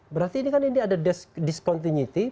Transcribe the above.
berarti ini kan ini ada discontinuity